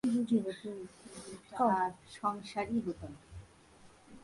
ভালই যদি হত, তবে এটা আর সংসারই হত না।